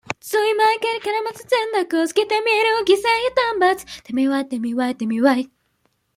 A Vagrant", dedicó una de sus historietas a Jane Austen.